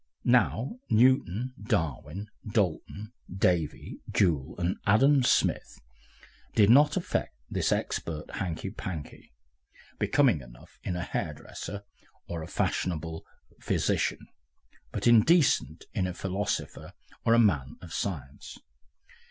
Now Newton, Darwin, Dalton, Davy, Joule, and Adam Smith did not affect this "expert" hankey pankey, becoming enough in a hairdresser or a fashionable physician, but indecent in a philosopher or a man of science.